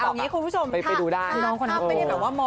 เอาอย่างนี้คุณผู้ชมถ้านี่หลังของส่วนผม